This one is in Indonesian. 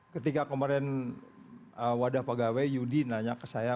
ketika kemarin wadah pegawai yudi nanya ke saya